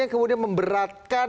yang kemudian memberatkan